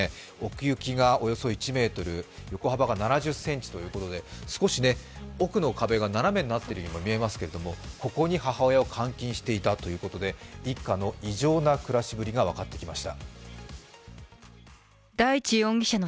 奥行きがおよそ１ｍ、横幅が７０ｃｍということで、少し奥の壁が斜めになっているように見えますけれどもここに母親を監禁していたということで一家の異常な暮らしぶりが分かってきました。